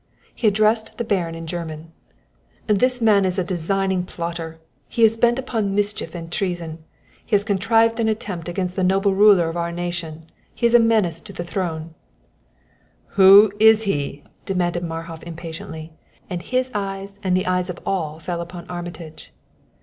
He addressed the Baron in German: "This man is a designing plotter; he is bent upon mischief and treason; he has contrived an attempt against the noble ruler of our nation he is a menace to the throne " "Who is he?" demanded Marhof impatiently; and his eyes and the eyes of all fell upon Armitage.